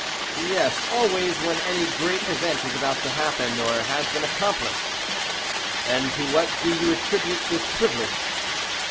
"Yes, always when any great event is about to happen or has been accomplished." "And to what do you attribute this privilege?"